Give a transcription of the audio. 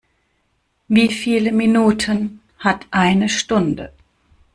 Wie viele Minuten hat eine Stunde?